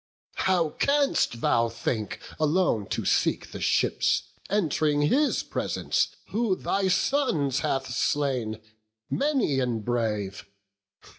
How canst thou think alone to seek the ships, Ent'ring his presence, who thy sons hath slain, Many and brave?